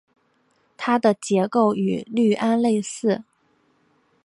它的结构与氯胺类似。